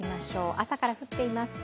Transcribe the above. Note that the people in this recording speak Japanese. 朝から降っています。